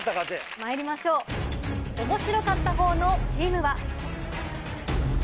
まいりましょう面白かったほうのチームは？